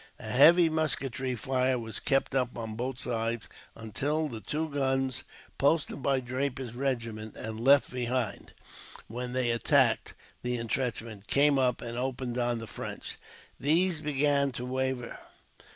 A heavy musketry fire was kept up on both sides, until the two guns, posted by Draper's regiment, and left behind when they attacked the intrenchment, came up and opened on the French. These began to waver.